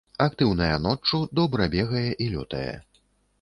Актыўная ноччу, добра бегае і лётае.